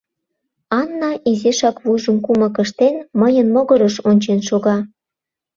Анна, изишак вуйжым кумык ыштен, мыйын могырыш ончен шога.